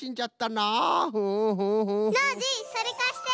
ノージーそれかして。